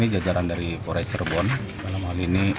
jajaran dari polres cirebon dalam hal ini